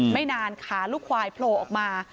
ไม่นานขาลูกควายโผล่ออกมา